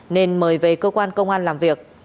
nên mời về cơ quan công an làm việc